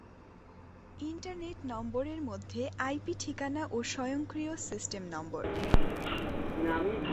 Internet নম্বরের মধ্যে রয়েছে আইপি ঠিকানা ও স্বয়ংক্রিয় সিস্টেম নম্বর।